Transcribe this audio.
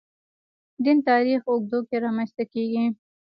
دین تاریخ اوږدو کې رامنځته کېږي.